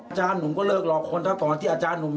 อาจารย์หนุ่มก็เลิกรอคนก่อนที่อาจารย์หนุ่ม